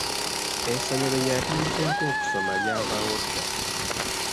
Essomero lye yatandikirako okusoma lyavaawo dda.